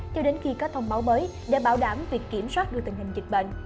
cho đến khi có thông báo mới để bảo đảm việc kiểm soát được tình hình dịch bệnh